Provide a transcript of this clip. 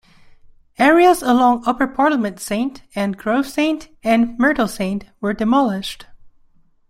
Areas along Upper Parliament Saint and Grove Saint and Myrtle Saint were demolished.